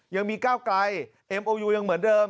ยังมี๙ไกรเอมป์โอยูยังเหมือนเดิม